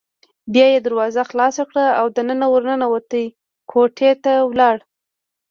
بیا یې دروازه خلاصه کړه او دننه ور ننوت، کوټې ته لاړ.